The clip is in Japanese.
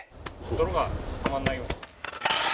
泥がたまらないように。